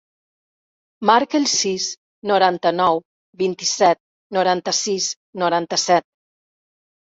Marca el sis, noranta-nou, vint-i-set, noranta-sis, noranta-set.